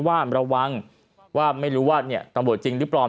ว่าระวังว่าไม่รู้ว่าเนี่ยตำรวจจริงหรือเปล่า